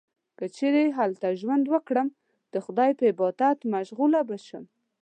که چیرې هلته ژوند وکړم، د خدای په عبادت مشغوله به شم.